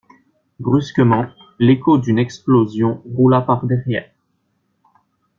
Brusquement, l'écho d'une explosion roula par derrière.